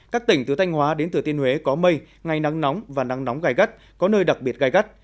các tỉnh từ thanh hóa đến từ tiên huế có mây ngày nắng nóng và nắng nóng gai gắt có nơi đặc biệt gai gắt